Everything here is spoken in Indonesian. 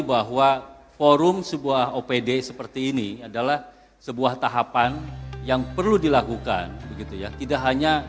bahwa forum sebuah opd seperti ini adalah sebuah tahapan yang perlu dilakukan begitu ya tidak hanya